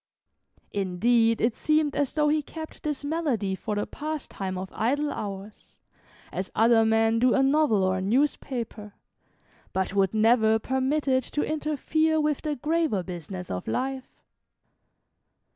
Indeed it seemed as though he kept this malady for the pastime of idle hours, as other men do a novel or a newspaper, but would never permit it to interfere with the graver business of life.